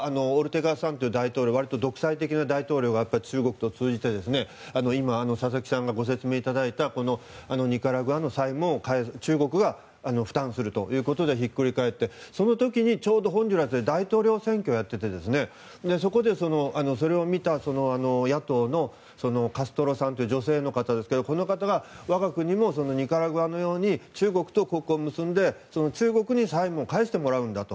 ここは割と独裁的な大統領が中国と通じて今、佐々木さんがご説明いただいたニカラグアの際にも中国が負担するということでひっくり返ってその時にちょうどホンジュラスで大統領選挙をやっていてそこで、それを見た野党のカストロさんという女性の方ですがこの方は我が国もニカラグアのように中国と国交を結んで中国に債務を返してもらうんだと。